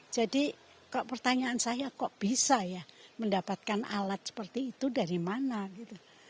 jadi pertanyaan saya kok bisa ya mendapatkan alat seperti itu dari mana gitu